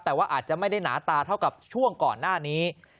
แต่ว่าอาจจะไม่ได้หนาตาเท่ากับช่วงก่อนหน้านี้